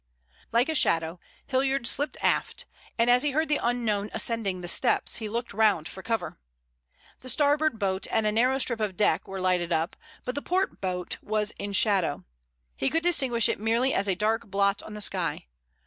Like a shadow Hilliard slipped aft, and, as he heard the unknown ascending the steps, he looked round for cover. The starboard boat and a narrow strip of deck were lighted up, but the port boat was in shadow. He could distinguish it merely as a dark blot on the sky.